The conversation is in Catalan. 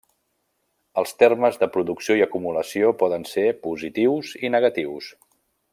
Els termes de producció i acumulació poden ser positius i negatius.